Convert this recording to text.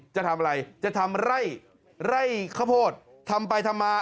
จะทำอะไรจะทำไร่ไร่ข้าวโพดทำไปทำมา